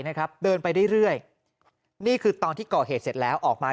นะครับเดินไปเรื่อยนี่คือตอนที่ก่อเหตุเสร็จแล้วออกมา